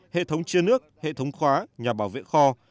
hệ thống chia nước hệ thống khóa nhà bảo vệ kho